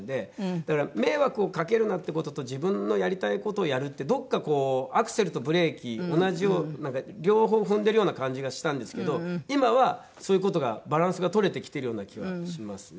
だから迷惑をかけるなっていう事と自分のやりたい事をやるってどこかアクセルとブレーキ同じような両方踏んでるような感じがしてたんですけど今はそういう事がバランスが取れてきてるような気はしますね。